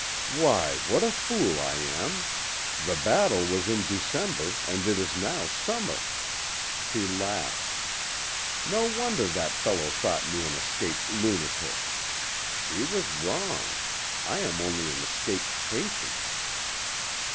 "Why, what a fool I am! The battle was in December, and it is now summer!" He laughed. "No wonder that fellow thought me an escaped lunatic. He was wrong: I am only an escaped patient."